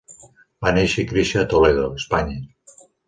Va néixer i créixer a Toledo, Espanya.